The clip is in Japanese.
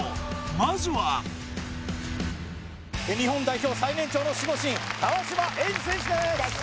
まずは日本代表最年長の守護神川島永嗣選手です